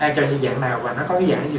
ai cho như dạng nào và nó có cái dạng gì